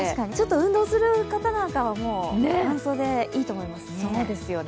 運動する方なんかは、半袖でいいと思いますね。